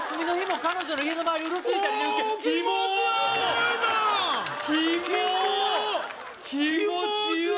気持ち悪い！